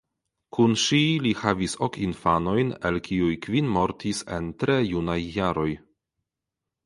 Kun ŝi li havis ok infanojn el kiuj kvin mortis en tre junaj jaroj.